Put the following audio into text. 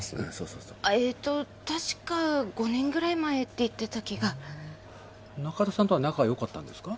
えっと確か５年ぐらい前って言ってた気が中田さんとは仲良かったんですか